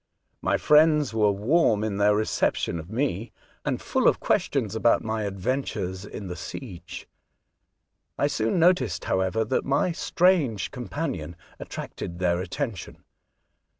My friends were warm in their reception of 30 A Voyage to Other Worlds, me, and full of questions about my adventures in tlie siege. I soon noticed, however, that my strange companion attracted their attention.